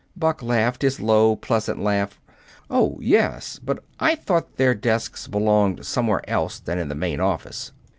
Buck laughed his low, pleasant laugh. "Oh, yes; but I thought their desks belonged somewhere else than in the main office.